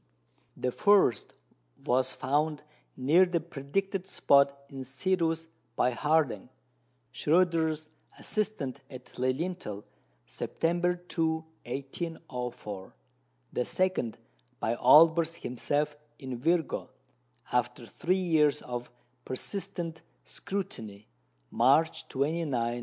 The first was found near the predicted spot in Cetus by Harding, Schröter's assistant at Lilienthal, September 2, 1804; the second by Olbers himself in Virgo, after three years of persistent scrutiny, March 29, 1807.